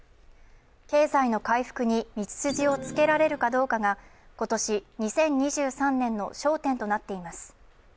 経済の回復に道筋をつけられるかどうかが今年２０２３年の焦点となっています。